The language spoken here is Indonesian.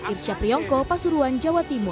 irsyapriyongko pasuruan jawa timur